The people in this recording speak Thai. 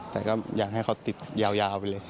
แต่ก็อยากให้เขาติดยาวไปเลย